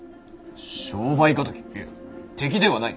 いや敵ではない。